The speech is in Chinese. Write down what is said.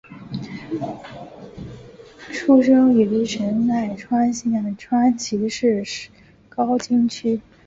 出生于神奈川县川崎市高津区。